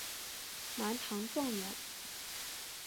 南唐状元。